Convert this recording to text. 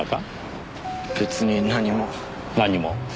別に何も。何も？